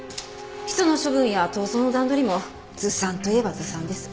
ヒ素の処分や逃走の段取りもずさんといえばずさんです。